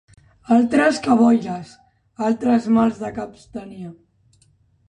Altres cabòries, altres mals de cap tenia